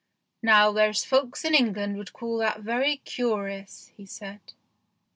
" Now there's folks in England would call that very curious," he said.